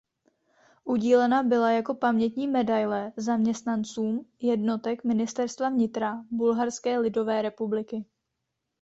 Udílena byla jako pamětní medaile zaměstnancům jednotek Ministerstva vnitra Bulharské lidové republiky.